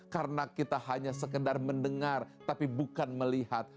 karena kita hanya sekedar mendengar tapi bukan melihat